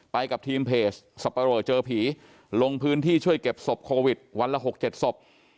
กับทีมเพจสับปะเรอเจอผีลงพื้นที่ช่วยเก็บศพโควิดวันละ๖๗ศพ